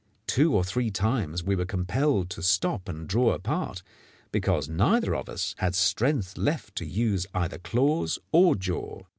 Two or three times we were compelled to stop and draw apart, because neither of us had strength left to use either claws or jaw.